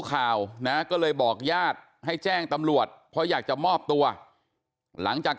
ข่าวนะก็เลยบอกญาติให้แจ้งตำรวจเพราะอยากจะมอบตัวหลังจาก